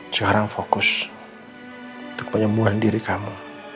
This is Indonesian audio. sekarang fokus untuk penyembuhan diri kamu